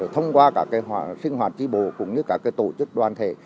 thông qua các sinh hoạt tri bộ cũng như các tổ chức đoàn thể